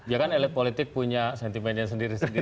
ya kan elit politik punya sentimen yang sendiri sendiri